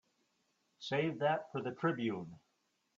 Save that for the Tribune.